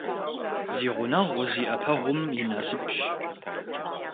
Зи гъунэгъу зи Iэпэгъум и насыпщ.